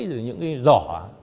rồi những cái giỏ